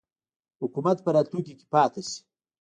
حکومت په راتلونکي کې پاته شي.